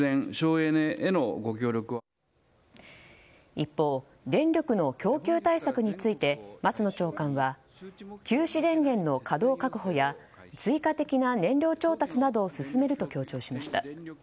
一方、電力の供給対策について松野長官は休止電源の稼働確保や追加的な燃料調達などを進めると強調しました。